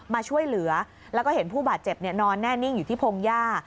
มาช่วยเหลือแล้วก็เห็นผู้บาดเจ็บนอนแน่นิ่งอยู่ที่พงหญ้า